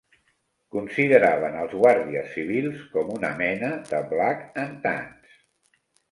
Consideraven els guàrdies civils com una mena de Black and Tans